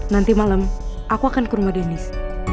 nanti malam aku akan ke rumah deniz